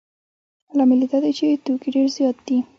لامل یې دا دی چې توکي ډېر زیات دي